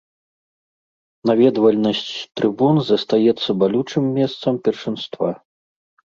Наведвальнасць трыбун застаецца балючым месца першынства.